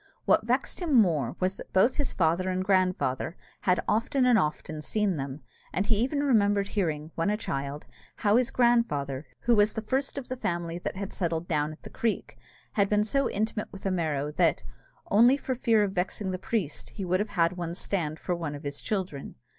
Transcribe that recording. What vexed him more was that both his father and grandfather had often and often seen them; and he even remembered hearing, when a child, how his grandfather, who was the first of the family that had settled down at the creek, had been so intimate with a Merrow that, only for fear of vexing the priest, he would have had him stand for one of his children.